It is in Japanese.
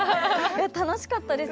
楽しかったです